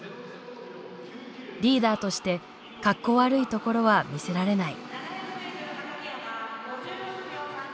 リーダーとして格好悪いところは見せられない。